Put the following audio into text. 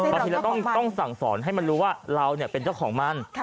บางทีเราต้องสั่งสอนให้มันรู้ว่าเราเป็นเจ้าของมัน